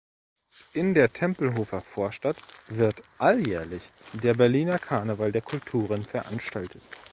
In der Tempelhofer Vorstadt wird alljährlich der Berliner Karneval der Kulturen veranstaltet.